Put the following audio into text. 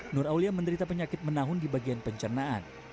nur aulia menderita penyakit menahun di bagian pencernaan